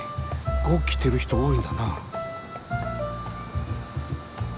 ゴ着てる人多いんだな。